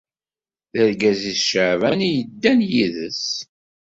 D argaz-is Caɛban i yeddan yid-s.